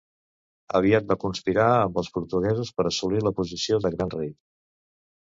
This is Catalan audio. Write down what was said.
Aviat va conspirar amb els portuguesos per assolir la posició de gran rei.